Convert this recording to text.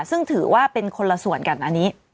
ซึ่งถือว่าเป็นคนละส่วนกันอันนี้